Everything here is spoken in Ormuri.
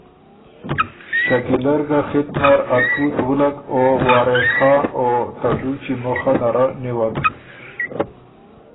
شکیلۀ ر ګۀ خِط نر ا تُوت وُلّک او وارث خان او ته دُوچی مخه نره نیوک۔